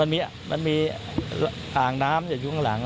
มันมีอ่างน้ำอยู่ข้างหลัง